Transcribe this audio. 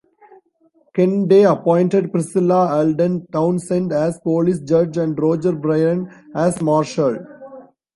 Ken Day appointed Priscilla Alden Townsend as Police Judge and Roger Bryan as Marshall.